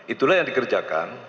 itulah yang dikerjakan